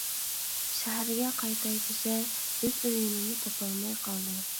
شەھەرگە قايتاي دېسە ئۆز ئۆيىنىمۇ تاپالماي قالدى.